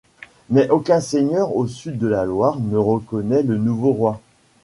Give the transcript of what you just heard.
Mais aucun seigneur au sud de la Loire ne reconnaît le nouveau roi.